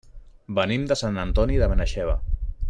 Venim de Sant Antoni de Benaixeve.